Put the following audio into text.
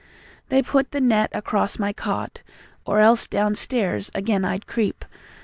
They put the net across my cot, Or else downstairs again I'd creep.